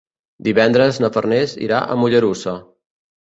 Divendres na Farners irà a Mollerussa.